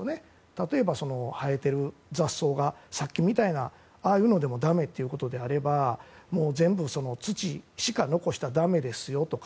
例えば、生えている雑草がさっきみたいな、ああいうのでもだめということであれば全部、土しか残したらだめですよとか。